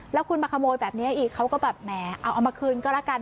แล้วคุณมาขโมยแบบนี้อีกเขาก็แบบแหมเอามาคืนก็แล้วกัน